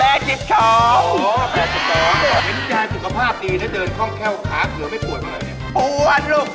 อันสองร้อยสี่สองอันสองร้อยสี่สอง